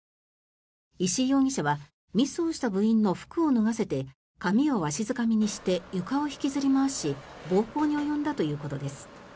石井容疑者はミスをした部員の服を脱がせて髪をわしづかみにして床を引きずり回し暴行に及んだということです。